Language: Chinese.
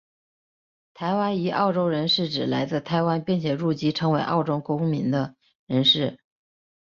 台湾裔澳洲人是指来自台湾并且入籍成为澳洲公民的人士。